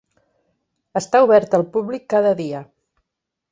Està obert al públic cada dia.